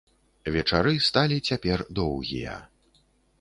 Вечары сталі цяпер доўгія.